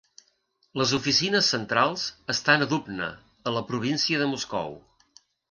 Les oficines centrals estan a Dubna, a la província de Moscou.